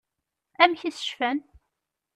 Amek i s-cfan?